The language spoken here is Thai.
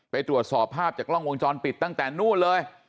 ไปตรวจสอบภาพจากกล้องวงจรปิดตั้งแต่นู่นเลย